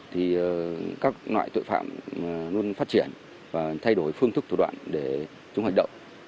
thì các loại tội phạm luôn phát triển và thay đổi phương thức thủ đoạn để chúng hoạt động